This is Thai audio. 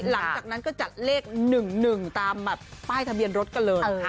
หลังจากนั้นก็จัดเลข๑๑ตามแบบป้ายทะเบียนรถกันเลย